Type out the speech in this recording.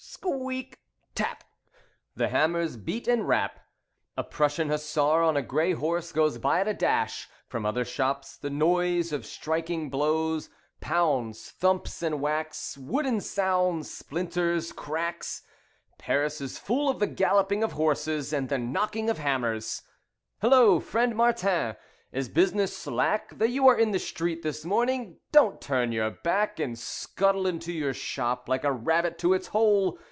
Squeak! Tap! The hammers beat and rap. A Prussian hussar on a grey horse goes by at a dash. From other shops, the noise of striking blows: Pounds, thumps, and whacks; Wooden sounds: splinters cracks. Paris is full of the galloping of horses and the knocking of hammers. "Hullo! Friend Martin, is business slack That you are in the street this morning? Don't turn your back And scuttle into your shop like a rabbit to its hole.